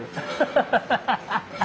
ハハハハハ！